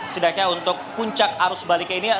sedangkan untuk puncak arus baliknya ini